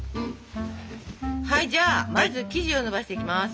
はいじゃあまず生地をのばしていきます。